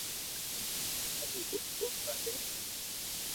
مني ھري ٻول ٻولوا دي